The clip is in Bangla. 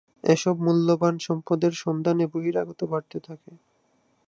এসব মূল্যবান সম্পদের সন্ধানে বহিরাগত বাড়তে থাকে।